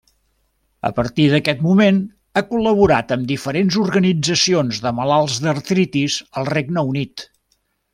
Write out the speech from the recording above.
A partir d'aquest moment, ha col·laborat amb diferents organitzacions de malalts d'artritis al Regne Unit.